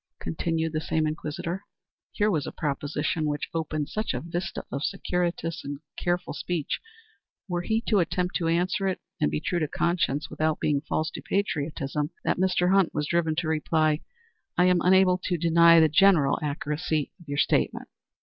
continued the same inquisitor. Here was a proposition which opened such a vista of circuitous and careful speech, were he to attempt to answer it and be true to conscience without being false to patriotism, that Mr. Hunter was driven to reply, "I am unable to deny the general accuracy of your statement."